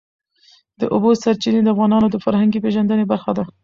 د اوبو سرچینې د افغانانو د فرهنګي پیژندنې برخه ده.